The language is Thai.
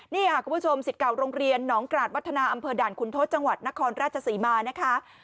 นี่ค่ะคุณผู้ชมสิทธิ์เก่าโรงเรียนหนองกราชวัฒนาอำเภอด่านคุณทศจังหวัดนครราชศรีมานะคะ